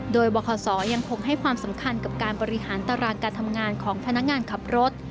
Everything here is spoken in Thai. โดยบคศยังคงให้ความสำคัญกับการบริหารตารางการทำงานของพนักงานขับรถ